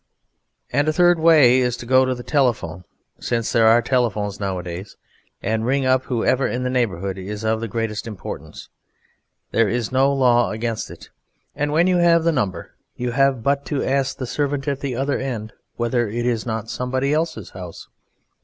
And a third way is to go to the telephone, since there are telephones nowadays, and ring up whoever in the neighbourhood is of the greatest importance. There is no law against it, and when you have the number you have but to ask the servant at the other end whether it is not somebody else's house.